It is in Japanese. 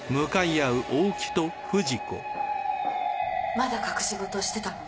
まだ隠し事をしてたのね。